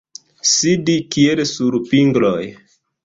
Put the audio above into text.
Sidi kiel sur pingloj.